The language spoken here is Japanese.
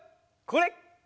これ！